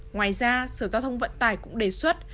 ngoài ra sở giao thông vận tải cũng đề xuất